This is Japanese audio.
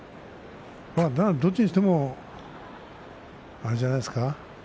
どっちにしてもあれじゃないですか